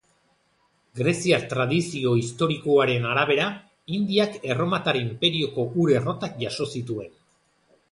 Greziar tradizio historikoaren arabera, Indiak Erromatar Inperioko ur-errotak jaso zituen.